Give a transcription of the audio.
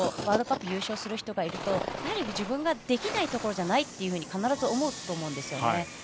ワールドカップ優勝する人がいると自分ができないところじゃないと必ず思うと思うんですよね。